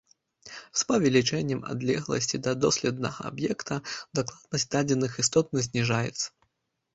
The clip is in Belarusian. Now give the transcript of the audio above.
З павелічэннем адлегласці да доследнага аб'екта дакладнасць дадзеных істотна зніжаецца.